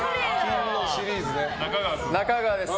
中川です。